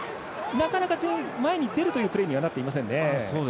なかなか、前に出るというプレーにはなっていませんね。